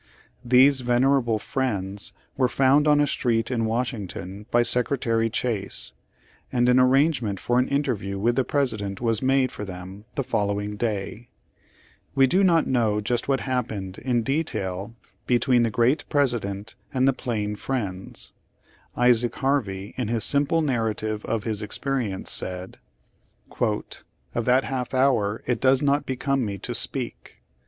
These venerable Friends were found on a street in Washington by Secre tary Chase, and an arrangement for an interview with the President was made for them the follow ing day. We do not know just what happened in detail between the great President and the plain « National Anti Slavery Standard. September 20, 1862, p. 2. Page Eighty five Friends. Isaac Harvey, in his simple narrative of his experience, said : "Of that half hour it does not become me to speak.